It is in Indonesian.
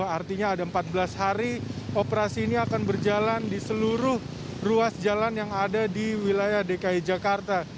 artinya ada empat belas hari operasi ini akan berjalan di seluruh ruas jalan yang ada di wilayah dki jakarta